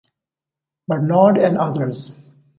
Barnard and others.